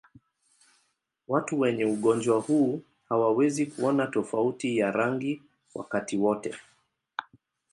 Watu wenye ugonjwa huu hawawezi kuona tofauti ya rangi wakati wote.